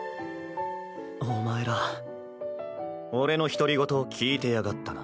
お前ら俺の独り言聞いてやがったな？